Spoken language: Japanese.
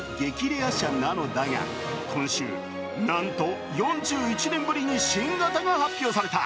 レア車なのだが、今週、なんと４１年ぶりに新型が発表された。